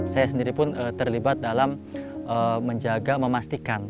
saya sendiri pun terlibat dalam menjaga memastikan